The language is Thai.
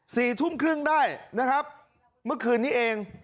สี่ทุ่มครึ่งได้นะครับเมื่อคืนนี้เอง